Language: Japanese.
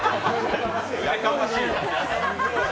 やかましいわ。